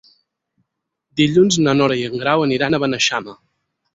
Dilluns na Nora i en Grau aniran a Beneixama.